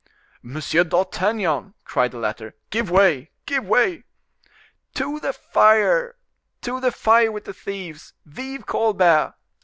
"Monsieur d'Artagnan," cried the latter; "give way, give way!" "To the fire! to the fire with the thieves! Vive Colbert!"